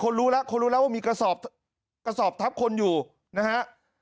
คนรู้แล้วคนรู้แล้วว่ามีกระสอบทรัพย์คนทรัพย์อยู่นะฮะ